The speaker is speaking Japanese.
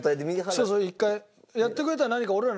そうそう一回。やってくれたら何か俺らの。